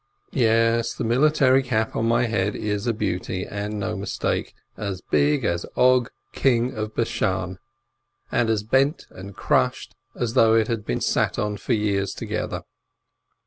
Yes, the military cap on my head is a beauty, and no mistake, as big as Og king of Bashan, and as bent and crushed as though it had been sat upon for years together.